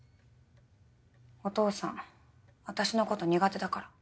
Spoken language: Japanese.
お父さん私のこと苦手だから。